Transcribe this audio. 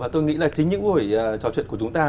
tôi nghĩ là chính những buổi trò chuyện của chúng ta